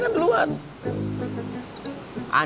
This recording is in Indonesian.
saya sudah selesai menikah sama saya